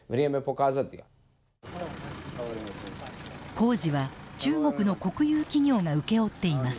工事は中国の国有企業が請け負っています。